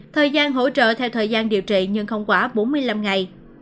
thời gian hỗ trợ theo thời gian điều trị nhưng không quá bốn mươi năm ngày